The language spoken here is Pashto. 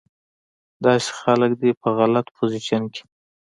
داسې خلک دې پۀ غلط پوزيشن کښې